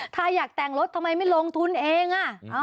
ถ้าอยากแต่งรถทำไมไม่ลงทุนเอง